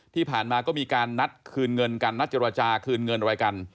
ที่ผ่านมาก็มีการนัดคืนเงินกันนัดเจรจาคืนเงินอะไรกัน